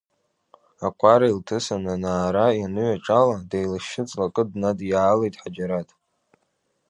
Акәара илҭысын анаара ианыҩаҿала, деилышьшьы ҵлакы днадиаалеит Ҳаџьараҭ.